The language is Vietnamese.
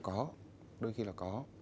có đôi khi là có